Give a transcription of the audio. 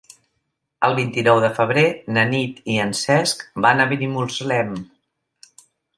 El vint-i-nou de febrer na Nit i en Cesc van a Benimuslem.